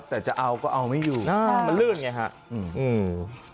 แต่จะเอาก็เอาไม่อยู่อ่ามันลื่นไงฮะอืม